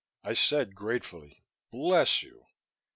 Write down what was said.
I said gratefully, "Bless you."